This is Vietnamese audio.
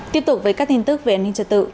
tiếp tục với các tin tức về an ninh trật tự